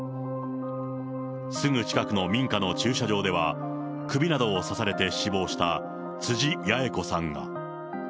すぐ近くの民家の駐車場では、首などを刺されて死亡した辻やゑ子さんが。